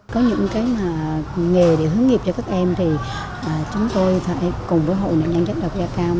có những cái nghề để hướng nghiệp cho các em thì chúng tôi cùng với hội nạn nhân chất độc da cam